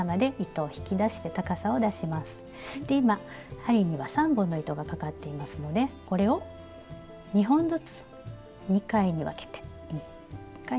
今針には３本の糸がかかっていますのでこれを２本ずつ２回に分けて１回。